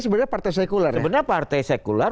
sebenarnya partai sekuler ya sebenarnya partai sekuler